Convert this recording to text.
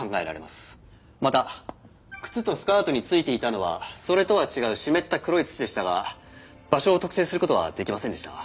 また靴とスカートに付いていたのはそれとは違う湿った黒い土でしたが場所を特定する事はできませんでした。